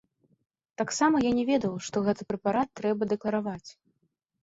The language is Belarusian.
Таксама я не ведаў, што гэты прэпарат трэба дэклараваць.